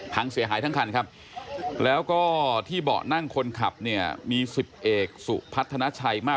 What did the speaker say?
พังเสียหายทั้งคันครับแล้วก็ที่เบาะนั่งคนขับเนี่ยมี๑๐เอกสุพัฒนาชัยมา